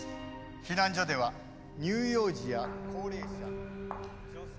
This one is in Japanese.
避難所では乳幼児や高齢者女性などの。